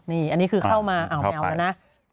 นี่อันนี้คือเข้ามาอ่าวแมวแล้วนะ